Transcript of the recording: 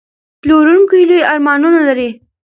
پلورونکی لوی ارمانونه لري.